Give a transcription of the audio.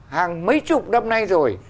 hàng mấy chục năm nay rồi